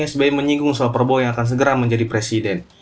sbi menyinggung soal prabowo yang akan segera menjadi presiden